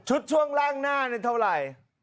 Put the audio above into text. ชุดช่วงล่างหน้าเท่าไหร่